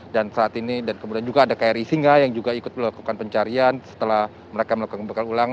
dan saat ini dan kemudian juga ada kri singa yang juga ikut melakukan pencarian setelah mereka melakukan bekal ulang